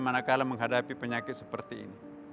manakala menghadapi penyakit seperti ini